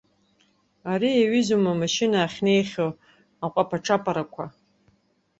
Ари иаҩызоума, амашьына ахьнеихьоу аҟәаԥа-ҿаԥарақәа.